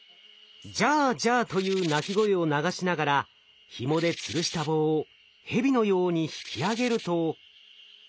「ジャージャー」という鳴き声を流しながらひもでつるした棒をヘビのように引き上げると。